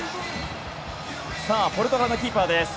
ポルトガルのキーパーです。